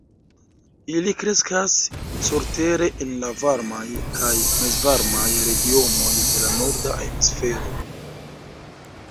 Ili kreskas surtere en la varmaj kaj mezvarmaj regionoj de la norda hemisfero.